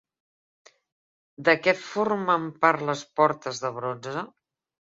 De què formen part les portes de bronze?